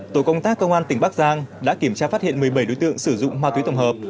tổ công tác công an tỉnh bắc giang đã kiểm tra phát hiện một mươi bảy đối tượng sử dụng ma túy tổng hợp